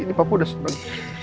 hidup ke bidang